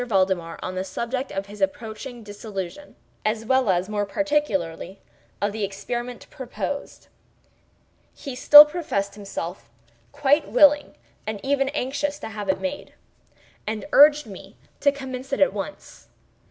Valdemar on the subject of his approaching dissolution, as well as, more particularly, of the experiment proposed. He still professed himself quite willing and even anxious to have it made, and urged me to commence it at once.